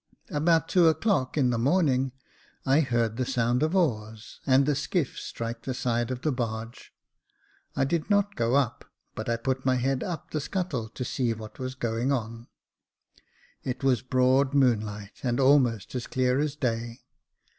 About two o'clock in the morning 58 Jacob Faithful I heard the sound of oars, and the skiff strike the side of the barge. I did not go up, but I put my head up the scuttle to see what was going on. It was broad moon light, and almost as clear as day.